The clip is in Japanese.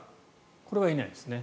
これはいないですね。